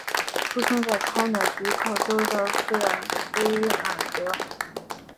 出生在康乃狄克州的费尔菲尔德。